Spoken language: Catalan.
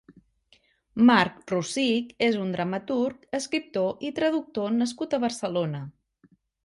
Marc Rosich és un dramaturg, escriptor i traductor nascut a Barcelona.